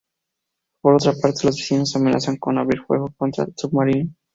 Por otra parte, los vecinos amenazan con abrir fuego contra el submarino.